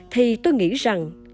thì tôi nghĩ rằng